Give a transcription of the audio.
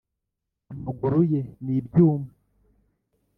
amaguru ye ni ibyuma